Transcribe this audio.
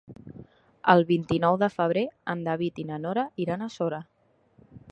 El vint-i-nou de febrer en David i na Nora iran a Sora.